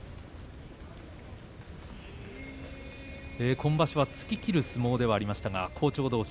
今場所は突ききる相撲ではありましたが、好調どうし